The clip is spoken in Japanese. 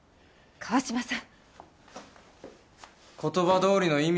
川島さん！